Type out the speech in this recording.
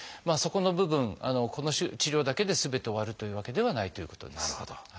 そこの部分この治療だけですべて終わるというわけではないということです。